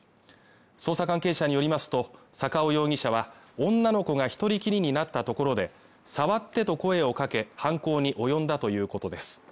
捜査関係者によりますと、坂尾容疑者は女の子が１人きりになったところで触ってと声をかけ、犯行に及んだということです。